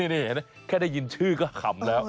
นี่เห็นไหมแค่ได้ยินชื่อก็ขำแล้ว